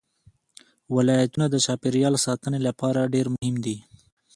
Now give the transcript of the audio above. ولایتونه د چاپیریال ساتنې لپاره ډېر مهم دي.